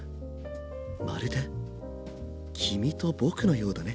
まるで君と僕のようだね。